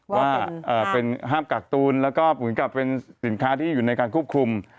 ว่าเป็นห้ามกักตูนแล้วก็เหมือนกับเป็นสินค้าที่อยู่ในการควบคุม